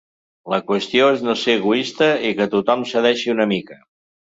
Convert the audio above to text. La qüestió és no ser egoista i que tothom cedeixi una mica.